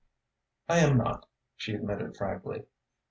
"I am not," she admitted frankly.